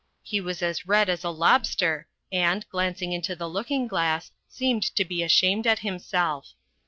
He was as red as a lobster, and, glancing into the looking glass, seemed to be ashamed at himself.